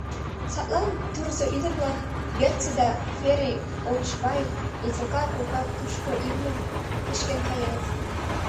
Садлан Турзо ӱдыр-влак, Бэрци да Фэри Олчваи, Этелка кока тушко имньым кычкен каеныт.